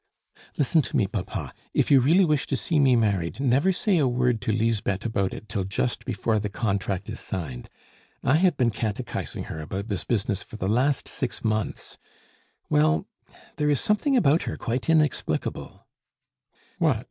"Listen to me, papa; if you really wish to see me married, never say a word to Lisbeth about it till just before the contract is signed. I have been catechizing her about this business for the last six months! Well, there is something about her quite inexplicable " "What?"